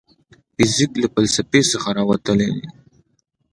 فزیک له فلسفې څخه راوتلی دی.